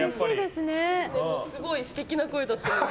すごい素敵な声だったので。